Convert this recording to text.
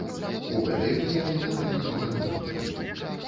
У гэтай выяве няма нічога новага.